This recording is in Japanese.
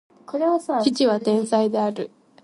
父は天才である